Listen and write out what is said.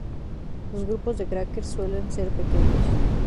Los grupos de crackers suelen ser pequeños.